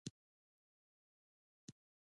د الوبالو دانه د خوب لپاره وکاروئ